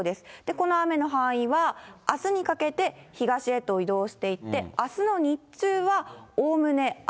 この雨の範囲は、あすにかけて東へと移動していって、あすの日中はおおむね雨。